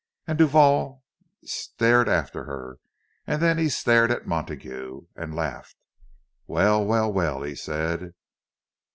And Duval stared after her, and then he stared at Montague, and laughed. "Well! well! well!" he said.